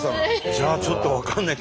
じゃあちょっと分かんない。